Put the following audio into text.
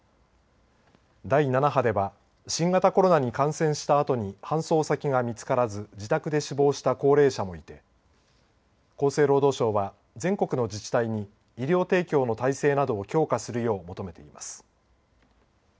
第７波では新型コロナに感染したあとに搬送先が見つからず自宅で死亡した高齢者もいて厚生労働省は全国の自治体に医療提供の体制などを強化するよう求めています。